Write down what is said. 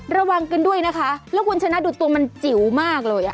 ระวังกันด้วยนะคะแล้วคุณชนะดูตัวมันจิ๋วมากเลยอ่ะ